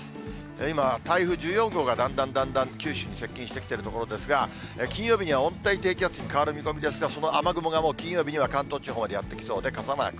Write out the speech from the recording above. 今は台風１４号が、だんだんだんだん九州に接近してきているところですが、金曜日には温帯低気圧に変わる見込みですが、その雨雲がもう金曜日には、関東地方へやって来そうで傘マーク。